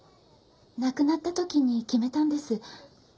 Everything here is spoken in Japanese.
亡くなった時に決めたんです。